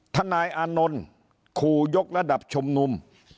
ท่านนายอานนลคูยกระดับชมนุม